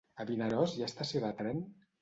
A Vinaròs hi ha estació de tren?